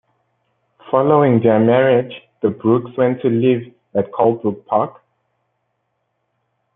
Following their marriage the Brookes went to live at Colebrooke Park.